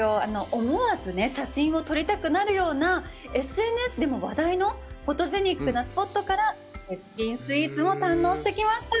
思わず写真を撮りたくなるような、ＳＮＳでも話題のフォトジェニックなスポットから絶品スイーツも堪能してきました。